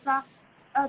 tolong kalau tidak terpaksa